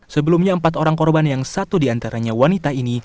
sebelumnya empat orang korban yang satu diantaranya wanita ini